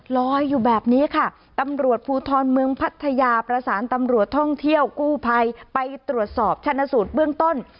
ลอยอยู่แบบนี้ค่ะตำรวจภูทรเมืองพัทยาประสานตำรวจท่องเที่ยวกู้ภัยไปตรวจสอบชนะสูตรเบื้องต้น